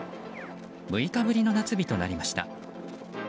６日ぶりの夏日となりました。